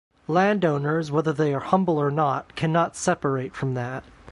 Landowners, whether they are humble or not, can not separate from that.